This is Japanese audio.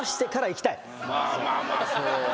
まあまあまあそう。